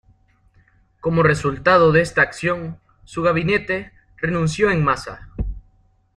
Como resultado de esta acción, su gabinete renunció en masa.